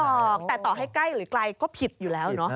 ไม่ได้บอกแต่ต่อให้ใกล้หรือกลายก็ผิดอยู่แล้ว